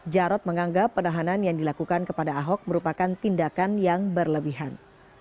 jarod menganggap penahanan yang dilakukan kepada ahok merupakan tindakan yang berlebihan